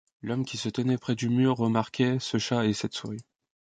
L'homme qui se tenait près du mur remarquait ce chat et cette souris.